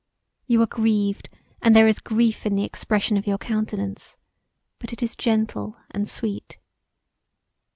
You are grieved and there is grief in the expression of your countenance but it is gentle and sweet.